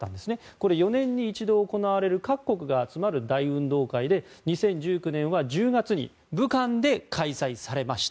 これ、４年に一度行われる各国が集まる大運動会で２０１９年は１０月に武漢で開催されました。